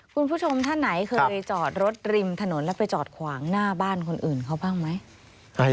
คุณผู้ชมท่านไหนเคยจอดรถริมถนนแล้วไปจอดขวางหน้าบ้านคนอื่นเขาบ้างไหม